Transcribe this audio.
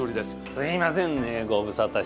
すいませんねご無沙汰しちゃって。